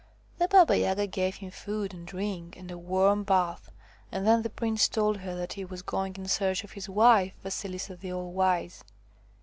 ' The Baba Yaga gave him food and drink and a warm bath, and then the prince told her that he was going in search of his wife Vasilisa the All Wise.